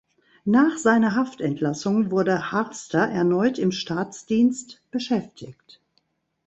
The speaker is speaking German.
Nach seiner Haftentlassung wurde Harster erneut im Staatsdienst beschäftigt.